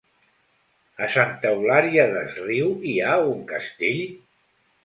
A Santa Eulària des Riu hi ha un castell?